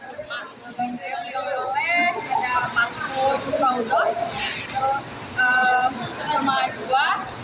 sama dua kacang kacangan sama almond